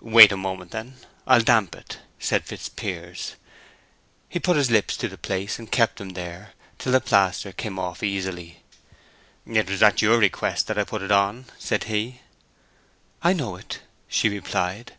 "Wait a moment, then—I'll damp it," said Fitzpiers. He put his lips to the place and kept them there till the plaster came off easily. "It was at your request I put it on," said he. "I know it," she replied.